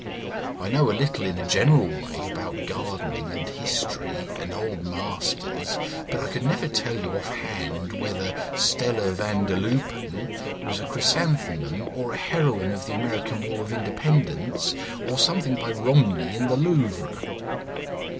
I know a little in a general way about gardening and history and old masters, but I could never tell you off hand whether 'Stella van der Loopen' was a chrysanthemum or a heroine of the American War of Independence, or something by Romney in the Louvre."